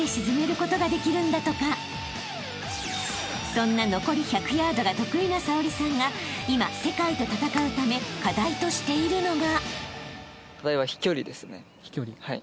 ［そんな残り１００ヤードが得意な早織さんが今世界と戦うため課題としているのが］